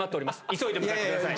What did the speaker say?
急いで向かってください。